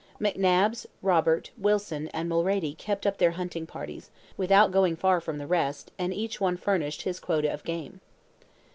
McNabbs, Robert, Wilson, and Mulrady kept up their hunting parties, without going far from the rest, and each one furnished his QUOTA of game.